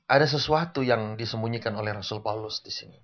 ada sesuatu yang disembunyikan oleh rasul paulus